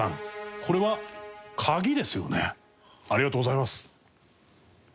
ありがとうございます。